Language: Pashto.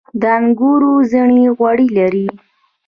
د انګورو زړې غوړي لري.